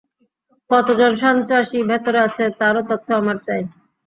কতজন সন্ত্রাসী ভেতরে আছে, তারও তথ্য আমার চাই।